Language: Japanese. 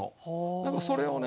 でもそれをね